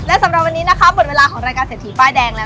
และสำหรับวันนี้นะคะบทเวลาของรายการเสียทีป้ายแดง